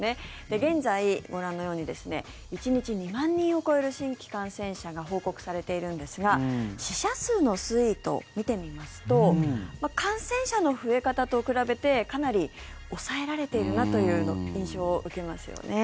現在、ご覧のように１日２万人を超える新規感染者が報告されているんですが死者数の推移を見てみますと感染者の増え方と比べてかなり抑えられているなという印象を受けますよね。